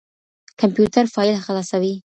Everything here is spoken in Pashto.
کمپيوټر فايل خلاصوي.